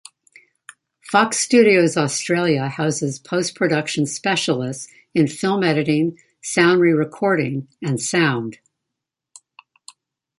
Fox Studios Australia houses post-production specialists in film editing, sound re-recording and sound.